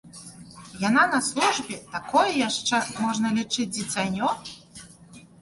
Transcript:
Яна на службе, такое яшчэ, можна лічыць, дзіцянё?